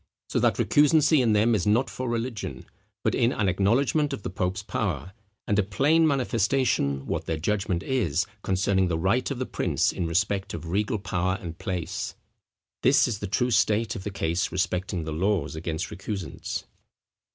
So that recusancy in them is not for religion, but in an acknowledgment of the pope's power, and a plain manifestation what their judgment is concerning the right of the prince in respect of regal power and place." This is the true state of the case respecting the laws against recusants.